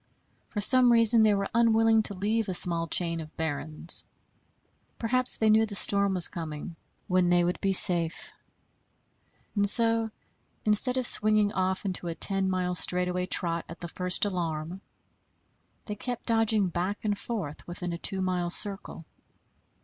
For some reason they were unwilling to leave a small chain of barrens. Perhaps they knew the storm was coming, when they would be safe; and so, instead of swinging off into a ten mile straightaway trot at the first alarm, they kept dodging back and forth within a two mile circle.